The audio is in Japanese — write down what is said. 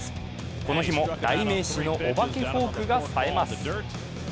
この日も代名詞のお化けフォークが冴えます。